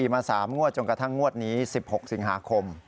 มา๓งวดจนกระทั่งงวดนี้๑๖สิงหาคม